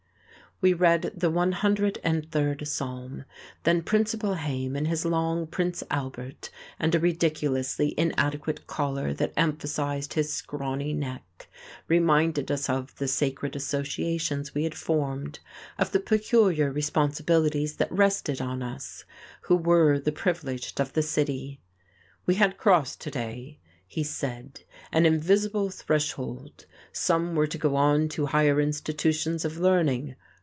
We read the one hundred and third psalm. Then Principal Haime, in his long "Prince Albert" and a ridiculously inadequate collar that emphasized his scrawny neck, reminded us of the sacred associations we had formed, of the peculiar responsibilities that rested on us, who were the privileged of the city. "We had crossed to day," he said, "an invisible threshold. Some were to go on to higher institutions of learning.